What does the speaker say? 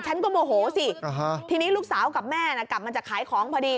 ฉันก็โมโหสิทีนี้ลูกสาวกับแม่น่ะกลับมาจากขายของพอดี